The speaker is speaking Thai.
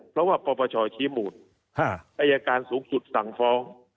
เพราะว่าปปชชี้มูลอายการสูงสุดสั่งฟ้อง